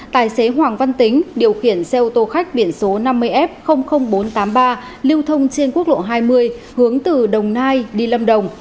tài xế hoàng văn tính điều khiển xe ô tô khách biển số năm mươi f bốn trăm tám mươi ba lưu thông trên quốc lộ hai mươi hướng từ đồng nai đi lâm đồng